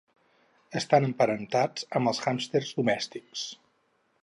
Estan emparentats amb els hàmsters domèstics.